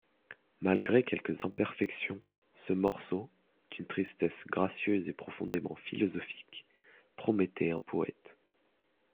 Malgré quelques imperfections, ce morceau, d’une tristesse gracieuse et profondément philosophique, promettait un poète.